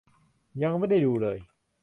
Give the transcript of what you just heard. ยังไม่ได้ดูเลย